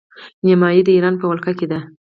نیمايي د ایران په ولکه کې دی.